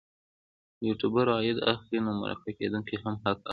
یوټوبر عاید اخلي نو مرکه کېدونکی هم حق لري.